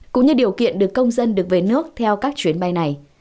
cũng như điều kiện được công dân được về nước theo các chuyến bay này